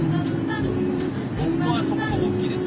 そこそこ大きいです。